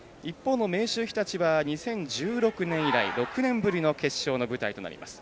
明秀日立は２０１６年以来６年ぶりの決勝の舞台になります。